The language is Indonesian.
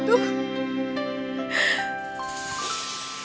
tunggu saya itu